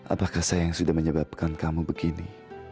apakah saya yang sudah menyebabkan kamu begini